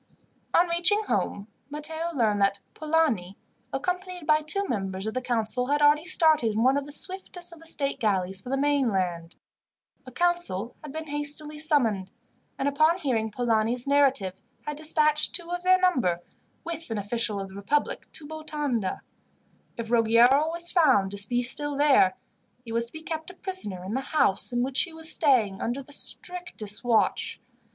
On reaching home Matteo learned that Polani, accompanied by two members of the council, had already started in one of the swiftest of the state galleys for the mainland. A council had been hastily summoned, and, upon hearing Polani's narrative, had dispatched two of their number, with an official of the republic, to Botonda. If Ruggiero was found to be still there, he was to be kept a prisoner in the house in which he was staying, under the strictest watch.